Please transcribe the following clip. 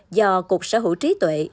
do cục sở hữu trí tuệ